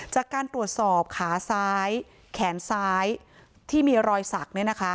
จากการตรวจสอบขาซ้ายแขนซ้ายที่มีรอยศักดิ์เนี่ยนะคะ